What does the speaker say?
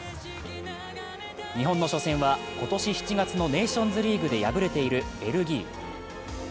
日本の初戦は今年７月のネーションズリーグで敗れているベルギー。